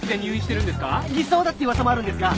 偽装だっていう噂もあるんですが。